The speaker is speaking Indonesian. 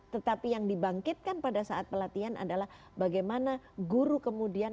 tetapi yang dibangkitkan pada saat pelatihan adalah bagaimana guru kemudian